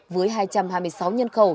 với hai trăm hai mươi sáu nhân khẩu